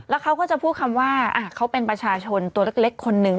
เขาก็จะพูดคำว่าเขาเป็นประชาชนตัวเล็กคนนึง